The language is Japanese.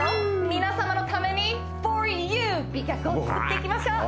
皆様のためにフォーユー美脚を作っていきましょう